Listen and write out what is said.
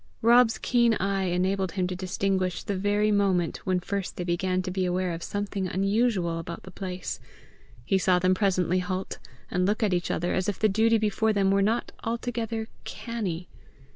Rob's keen eye enabled him to distinguish the very moment when first they began to be aware of something unusual about the place; he saw them presently halt and look at each other as if the duty before them were not altogether CANNY.